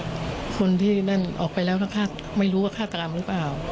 คนที่นั่นออกไปแล้วนะคะไม่รู้ว่าฆาตกรรมหรือเปล่า